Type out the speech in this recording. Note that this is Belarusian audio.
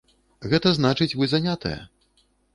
Гэта значыць, вы занятая.